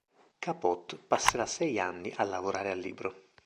Capote passerà sei anni a lavorare al libro.